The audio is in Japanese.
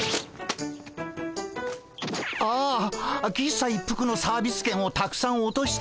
ああ喫茶一服のサービスけんをたくさん落としてしまいました。